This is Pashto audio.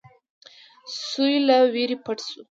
سوی له وېرې پټ شو.